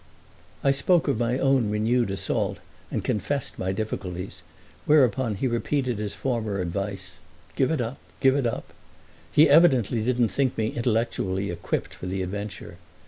I spoke of my own renewed assault and confessed my difficulties; whereupon he repeated his former advice: "Give it up, give it up!" He evidently didn't think me intellectually equipped for the adventure.